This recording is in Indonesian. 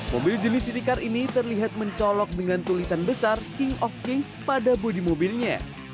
mobil jenis city car ini terlihat mencolok dengan tulisan besar king of kings pada bodi mobilnya